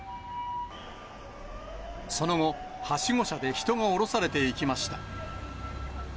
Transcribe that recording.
その後、はしご車で人が降ろされていきました。